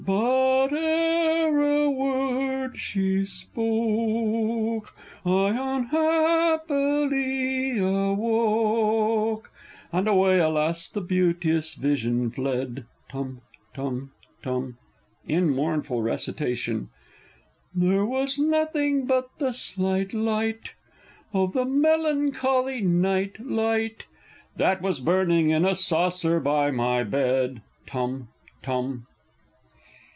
_) But ere a word she spoke, I unhappily awoke! And away, alas! the beauteous vision fled! (Tum tum tum!) (In mournful recitation) There was nothing but the slight light Of the melancholy night light That was burning in a saucer by my bed! (Tum tum!)